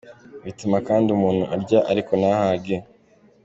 Bituma kandi umuntu arya ariko ntahage.